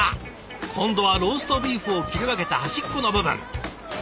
今度はローストビーフを切り分けた端っこの部分。